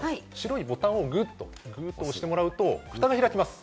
ボタンをグッと押してもらうと、ふたが開きます。